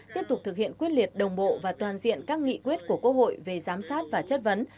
tiếp tục thực hiện quyết liệt đồng bộ và toàn diện các nghị quyết của quốc hội về giám sát và chất vấn